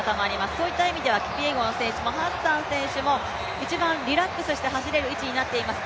そういった意味ではキピエゴン選手もハッサン選手も一番リラックスして走れる位置になっています。